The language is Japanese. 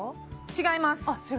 違います！